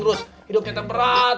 terus hidupnya terberat